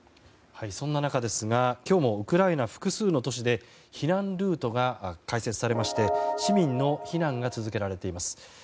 そんな中ですが今日もウクライナ複数の都市で避難ルートが開設されまして市民の避難が続けられています。